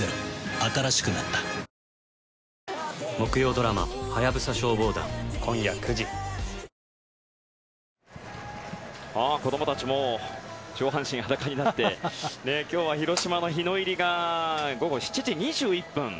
新しくなった子供たちも上半身、裸になって今日は広島の日の入りが午後７時２１分。